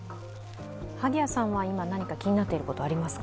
萩谷さんは今何か気になっていることはありますか？